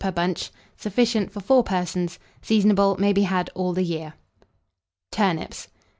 per bunch. Sufficient for 4 persons. Seasonable. May be had all the year. TURNIPS.